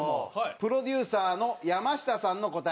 プロデューサーの山下さんの答え。